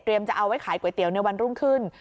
จะเอาไว้ขายก๋วยเตี๋ยวในวันรุ่งขึ้น